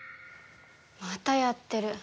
またやってる。